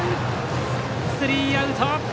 スリーアウト！